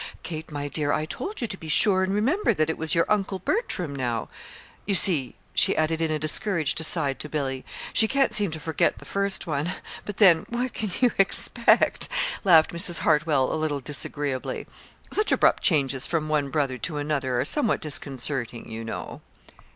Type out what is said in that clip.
"Kate, my dear, I told you to be sure and remember that it was your Uncle Bertram now. You see," she added in a discouraged aside to Billy, "she can't seem to forget the first one. But then, what can you expect?" laughed Mrs. Hartwell, a little disagreeably. "Such abrupt changes from one brother to another are somewhat disconcerting, you know."